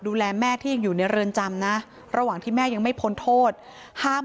ดูแลแม่ที่ยังอยู่ในเรือนจำนะระหว่างที่แม่ยังไม่พ้นโทษห้าม